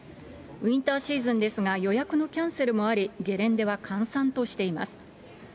ウインターシーズンですが、予約のキャンセルもあり、ゲレンデは閑散としています。